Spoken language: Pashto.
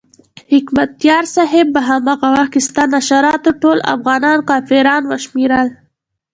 حکمتیار صاحب په هماغه وخت کې ستا نشراتو ټول افغانان کافران وشمېرل.